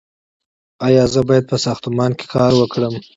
ایا زه باید په ساختمان کې کار وکړم؟